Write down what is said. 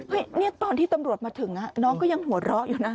นี่ตอนที่ตำรวจมาถึงน้องก็ยังหัวเราะอยู่นะ